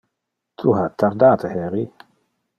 Tu ha tardate heri.